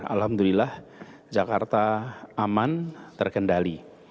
alhamdulillah jakarta aman terkendali